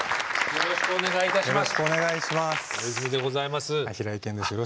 よろしくお願いします。